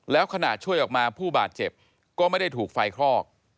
แล้วขณะช่วยออกมาผู้บาดเจ็บก็ไม่ได้ถูกไฟคลอก